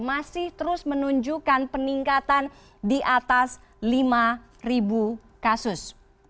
masih terus menunjukkan peningkatan di atas lima kasus